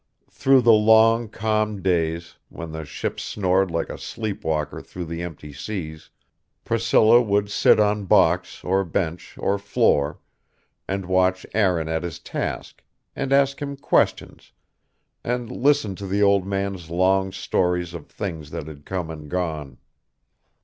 Through the long, calm days, when the ship snored like a sleep walker through the empty seas, Priscilla would sit on box or bench or floor, and watch Aaron at his task, and ask him questions, and listen to the old man's long stories of things that had come and gone.